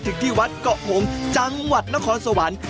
ที่วัดเกาะหงจังหวัดนครสวรรค์